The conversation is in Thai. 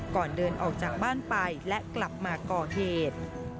ก่อนเดินออกจากบ้านไปและกลับมาก่อเหตุ